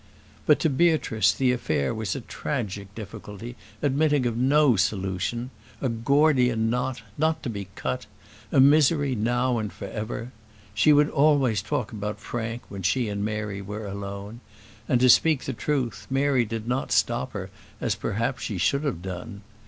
But to Beatrice the affair was a tragic difficulty, admitting of no solution; a Gordian knot, not to be cut; a misery now and for ever. She would always talk about Frank when she and Mary were alone; and, to speak the truth, Mary did not stop her as she perhaps should have done.